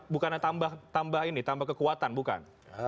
bukannya tambah ini tambah kekuatan bukan